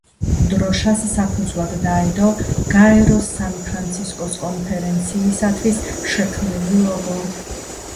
დროშას საფუძვლად დაედო გაეროს სან-ფრანცისკოს კონფერენციისათვის შექმნილი ლოგო.